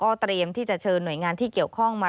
เตรียมที่จะเชิญหน่วยงานที่เกี่ยวข้องมา